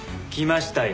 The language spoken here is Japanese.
来ましたよ。